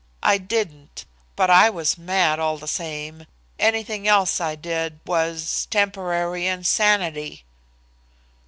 I didn't, but I was mad all the same. Anything else I did was temporary insanity!"